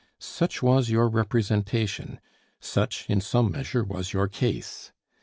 Such was your representation such, in some measure, was your case.